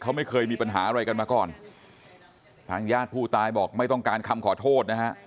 เขาไม่เคยมีปัญหาอะไรกันมาก่อนทางญาติผู้ตายบอกไม่ต้องการคำขอโทษนะฮะ